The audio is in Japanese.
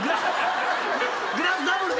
グラスダブルで。